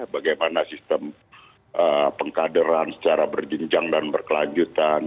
bagaimana sistem pengkaderan secara berjenjang dan berkelanjutan